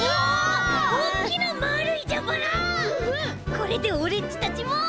これでオレっちたちも。